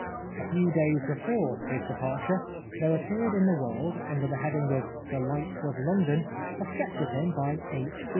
A few days be fore his departure there appeared in The World, under the heading " The Lights of London," a sketch of him by H.